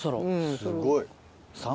すごい。